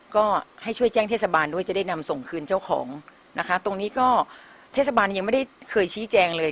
ก็ให้ช่วยแจ้งเทศบาลด้วยจะได้นำส่งคืนเจ้าของนะคะตรงนี้ก็เทศบาลยังไม่ได้เคยชี้แจงเลย